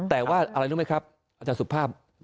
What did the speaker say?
แต่ว่าอาจารย์สุดภาพ